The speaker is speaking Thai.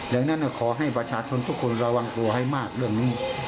ดังนั้นขอให้ประชาชนทุกคนระวังตัวให้มากเรื่องนี้